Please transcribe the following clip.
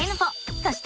そして。